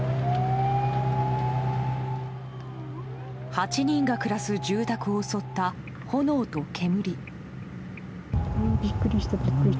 ８人が暮らす住宅を襲った炎と煙。